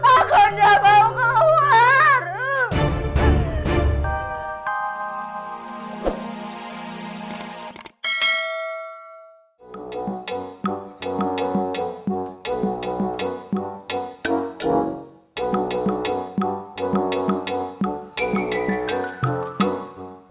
aku nggak mau keluar